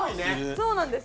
そうなんです